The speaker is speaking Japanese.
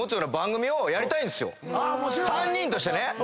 ３人としてね。